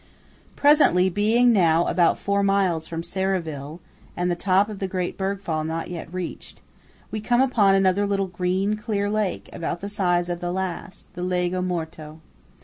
Presently, being now about four miles from Serravalle, and the top of the great bergfall not yet reached, we come upon another little green, clear lake, about the size of the last–the Lago Morto.